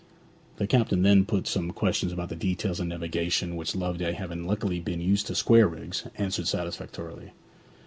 The captain then put some questions about the details of navigation, which Loveday, having luckily been used to square rigs, answered satisfactorily.